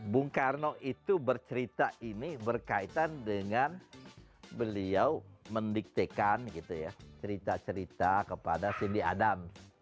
bung karno itu bercerita ini berkaitan dengan beliau mendiktekan cerita cerita kepada sindi adam